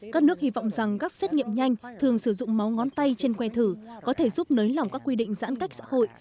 các nước hy vọng rằng các xét nghiệm nhanh thường sử dụng máu ngón tay trên que thử có thể giúp nới lỏng các quy định giãn cách xã hội